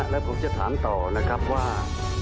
แล้วผมจะถามต่อนะครับว่า